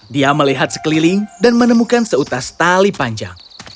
dia melihat sekeliling dan menemukan seutas tali panjang